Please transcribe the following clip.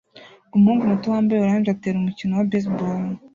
Umuhungu muto wambaye orange atera umukino wa baseball